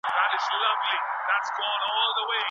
ولي کورني شرکتونه کیمیاوي سره له هند څخه واردوي؟